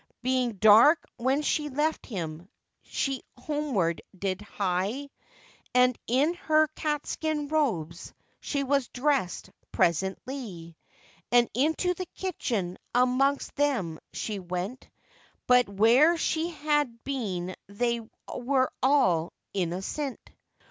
Being dark when she left him, she homeward did hie, And in her catskin robes she was dressed presently, And into the kitchen amongst them she went, But where she had been they were all innocent.